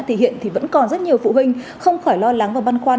thì hiện thì vẫn còn rất nhiều phụ huynh không khỏi lo lắng và băn khoăn